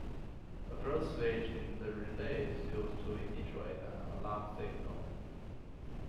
A float switch in the relay is used to initiate an alarm signal.